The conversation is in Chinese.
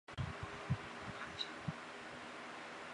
它介于战术弹道飞弹和洲际弹道飞弹之间。